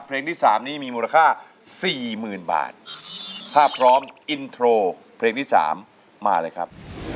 เพลงที่๓นี้มีมูลค่าสี่หมื่นบาทถ้าพร้อมอินโทรเพลงที่สามมาเลยครับ